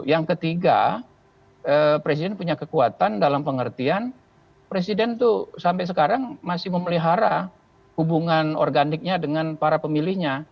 yang ketiga presiden punya kekuatan dalam pengertian presiden itu sampai sekarang masih memelihara hubungan organiknya dengan para pemilihnya